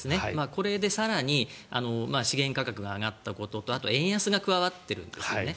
これで更に資源価格が上がったことと円安が加わっているんですよね。